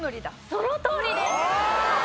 そのとおりです！